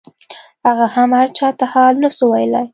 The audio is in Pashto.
هغه هم هرچا ته حال نسو ويلاى.